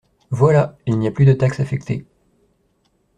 Voilà ! Il n’y a pas de taxes affectées.